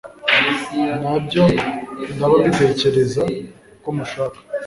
nabyo ndaba mbitekereza ko mushaka